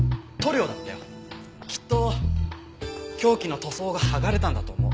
きっと凶器の塗装が剥がれたんだと思う。